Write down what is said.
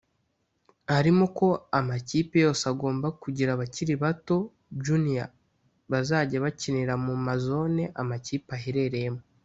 harimo ko amakipe yose agomba kugira abakiri bato “Junior” bazajya bakinira mu ma zone amakipe aherereyemo